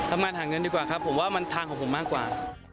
ทำงานหาเงินดีกว่าครับผมว่ามันทางของผมมากกว่า